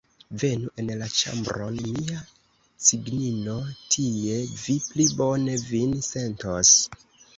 Venu en la ĉambron, mia cignino, tie vi pli bone vin sentos!